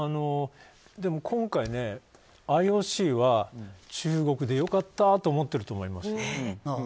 今回ＩＯＣは中国で良かったと思っていると思います。